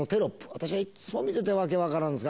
私はいつも見ててわけ分からんです。